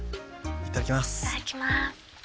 いただきます。